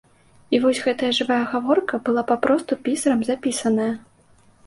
І вось гэтая жывая гаворка была папросту пісарам запісаная.